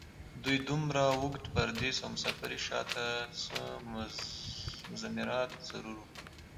د دوي دومره اوږد پرديس او مسافرۍ شا ته څۀ مضمرات ضرور وو